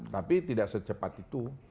tapi tidak secepat itu